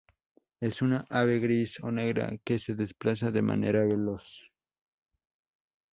Es un ave gris o negra que se desplaza de manera veloz.